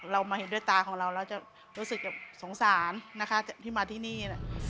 เรามาเห็นด้วยตาของเราแล้วจะรู้สึกสงสารนะคะที่มาที่นี่